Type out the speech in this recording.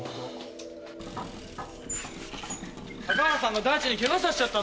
高原さんが大地にケガさせちゃったの？